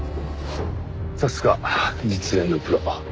さすが実演のプロ。